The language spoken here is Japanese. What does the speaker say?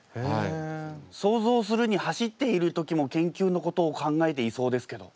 想像するに走っている時も研究のことを考えていそうですけど。